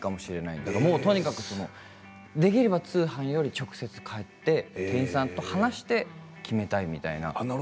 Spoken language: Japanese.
とにかくできれば通販より直接買って店員さんと話して決めたいみたいな。